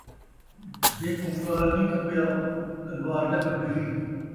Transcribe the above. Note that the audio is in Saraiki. جیکوں ڳالھ نئیں کپیا ، اوکوں تلوار کیا کپیسی